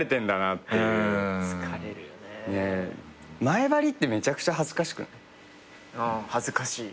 前貼りってめちゃくちゃ恥ずかしくない？恥ずかしい。